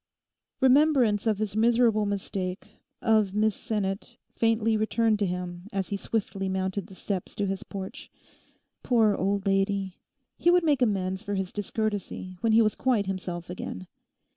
Remembrance of his miserable mistake, of Miss Sinnet, faintly returned to him as he swiftly mounted the steps to his porch. Poor old lady. He would make amends for his discourtesy when he was quite himself again.